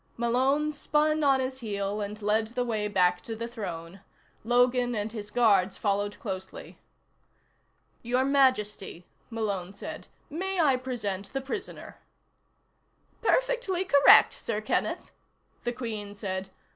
Malone spun on his heel and led the way back to the throne. Logan and his guards followed closely. "Your Majesty," Malone said. "May I present the prisoner?" "Perfectly correct, Sir Kenneth," the Queen said.